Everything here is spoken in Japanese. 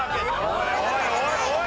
おいおいおいおい！